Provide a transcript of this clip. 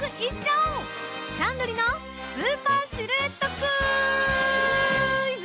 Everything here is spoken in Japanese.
ちゃんるりの「スーパーシルエットクイズ」！